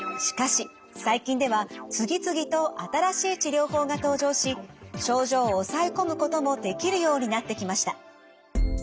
しかし最近では次々と新しい治療法が登場し症状を抑え込むこともできるようになってきました。